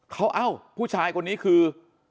เขาเอ้าผู้ชายคนนี้คือ